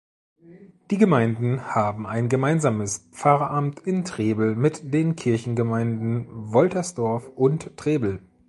Die Gemeinden haben ein gemeinsames Pfarramt in Trebel mit den Kirchengemeinden Woltersdorf und Trebel.